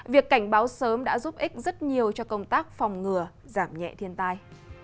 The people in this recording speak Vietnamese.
việc cảnh báo sớm đã giúp ích rất nhiều cho công tác phòng ngừa giảm nhẹ thiên tai